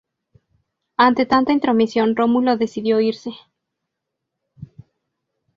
Ante tanta intromisión, Rómulo decidió irse.